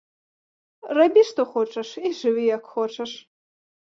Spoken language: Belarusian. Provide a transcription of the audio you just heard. Рабі што хочаш і жыві як хочаш.